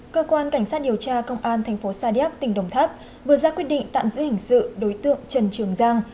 cơ quan cảnh sát điều tra công an tp sa điếp tỉnh đồng tháp vừa ra quyết định tạm giữ hình sự đối tượng trần trường giang